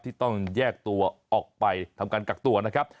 ที่ต้องแยกตัวออกไปทำการกักตัวนะครับ